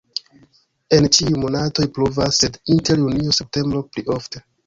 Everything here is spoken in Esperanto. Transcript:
En ĉiuj monatoj pluvas, sed inter junio-septembro pli ofte.